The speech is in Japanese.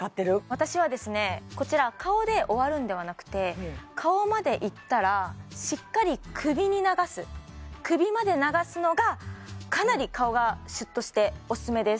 私はですねこちら顔で終わるんではなくて顔までいったらしっかり首に流す首まで流すのがかなり顔がシュッとしてオススメです